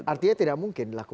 artinya tidak mungkin dilakukan